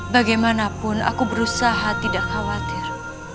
bagaimanapun aku berusaha tidak khawatir